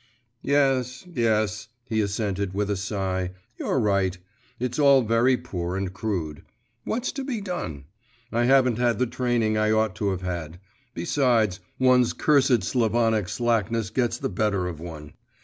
'Yes, yes,' he assented, with a sigh; 'you're right; it's all very poor and crude; what's to be done? I haven't had the training I ought to have had; besides, one's cursed Slavonic slackness gets the better of one.